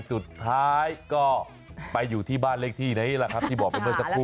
สุดท้ายก็ไปอยู่ที่บ้านเลขที่นี้แหละครับที่บอกไปเมื่อสักครู่